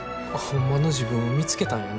ホンマの自分を見つけたんやな。